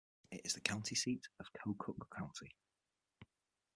It is the county seat of Keokuk County.